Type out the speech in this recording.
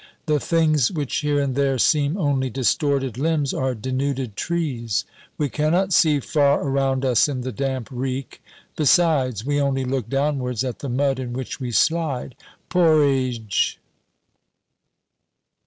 The things which here and there seem only distorted limbs are denuded trees. We cannot see far around us in the damp reek; besides, we only look downwards at the mud in which we slide "Porridge!"